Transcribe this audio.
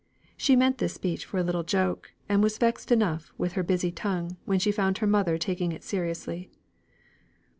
She meant this speech for a little joke, and was vexed enough with her busy tongue when she found her mother taking it seriously.